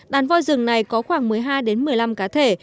đàn voi rừng này có khoảng một mươi hai một mươi năm cá thể